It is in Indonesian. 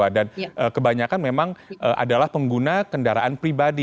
dan kebanyakan memang adalah pengguna kendaraan pribadi